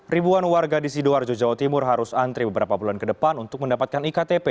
ribuan warga di sidoarjo jawa timur harus antri beberapa bulan ke depan untuk mendapatkan iktp